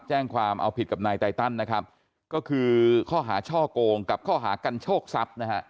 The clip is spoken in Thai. แจ้งความเอาผิดกับนายไตตันนะครับก็คือข้อหาช่อกงกับข้อหากันโชคทรัพย์นะฮะ